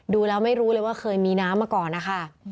ดูแล้วไม่รู้เลยว่าเคยมีน้ำมาก่อนนะคะ